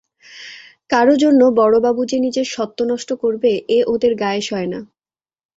কারো জন্যে বড়োবাবু যে নিজের স্বত্ব নষ্ট করবে, এ ওদের গায়ে সয় না।